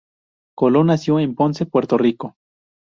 Colón nació en Ponce, Puerto Rico.